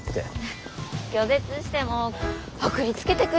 拒絶しても送りつけてくるからさ。